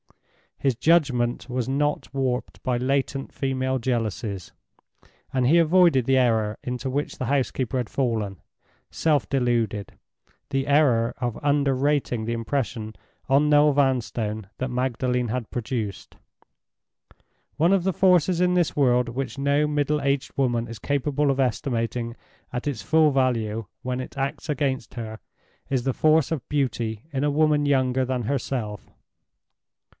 His judgment was not warped by latent female jealousies, and he avoided the error into which the housekeeper had fallen, self deluded—the error of underrating the impression on Noel Vanstone that Magdalen had produced. One of the forces in this world which no middle aged woman is capable of estimating at its full value, when it acts against her, is the force of beauty in a woman younger than herself.